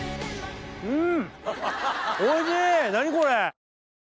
うん！